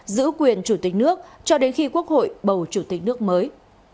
giữ quyền chủ tịch nước cho đến khi quốc hội bầu chủ tịch nước mới